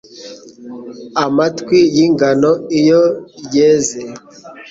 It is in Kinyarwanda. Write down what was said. Amatwi y'ingano iyo yeze